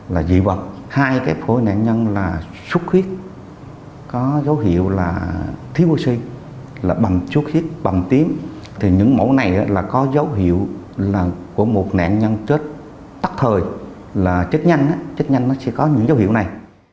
là chết nhanh chết nhanh nó sẽ có những dấu hiệu này